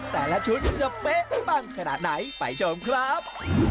แต่ละชุดจะเป๊ะปังขนาดไหนไปชมครับ